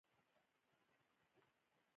دا ژورنال په نولس سوه څلور دیرش کې تاسیس شو.